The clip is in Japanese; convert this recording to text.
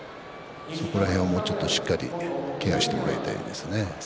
そこら辺はもう少ししっかりケアしてもらいたいですね。